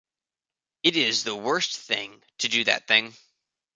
It is the worst thing to do that thing.